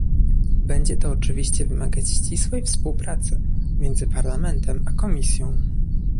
Będzie to oczywiście wymagać ścisłej współpracy między Parlamentem a Komisją